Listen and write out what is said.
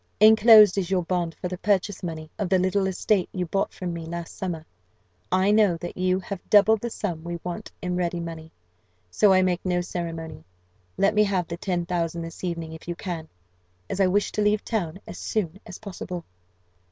Enclosed is your bond for the purchase money of the little estate you bought from me last summer. I know that you have double the sum we want in ready money so I make no ceremony. Let me have the ten thousand this evening, if you can, as I wish to leave town as soon as possible.